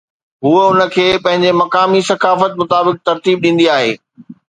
هوءَ ان کي پنهنجي مقامي ثقافت مطابق ترتيب ڏيندي آهي.